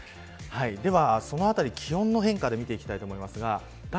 では、そのあたり気温の変化で見ていきたいと思います。